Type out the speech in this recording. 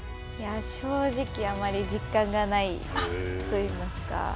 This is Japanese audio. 正直、あまり実感がないといいますか。